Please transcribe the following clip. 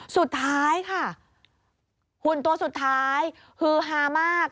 สุดท้ายค่ะหุ่นตัวสุดท้ายฮือฮามาก